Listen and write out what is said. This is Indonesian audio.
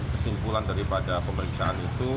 kesimpulan daripada pemeriksaan itu